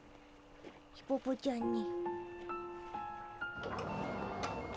ヒポポちゃんに。